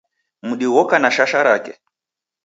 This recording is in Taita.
Mdi ghoka na shasha rake.